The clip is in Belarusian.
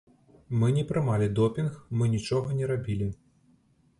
Мы не прымалі допінг, мы нічога не рабілі.